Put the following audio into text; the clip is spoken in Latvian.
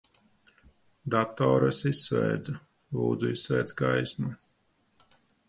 Datoru es izslēdzu. Lūdzu, izslēdz gaismu.